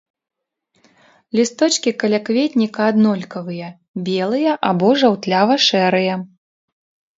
Лісточкі калякветніка аднолькавыя, белыя або жаўтлява-шэрыя.